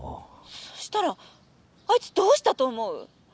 「そしたらあいつどうしたと思う！？